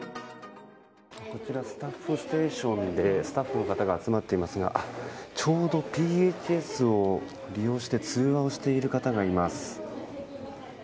こちらスタッフステーションでスタッフの方が集まっていますがちょうど、ＰＨＳを利用して通話をしている方がいます。